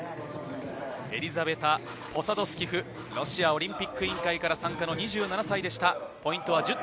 エリザベタ・ポサドスキフ、ロシアオリンピック委員会から参加の２７歳でした。